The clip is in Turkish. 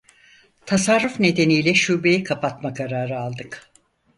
Tasarruf nedeniyle şubeyi kapatma kararı aldık.